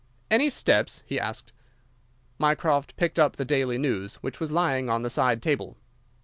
"Any steps?" he asked. Mycroft picked up the Daily News, which was lying on the side table.